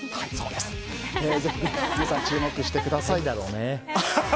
ぜひ、皆さん注目してください。